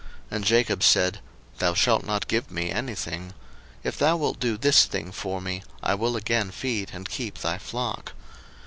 And Jacob said, Thou shalt not give me any thing: if thou wilt do this thing for me, I will again feed and keep thy flock.